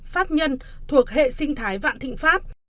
pháp nhân thuộc hệ sinh thái vạn thịnh pháp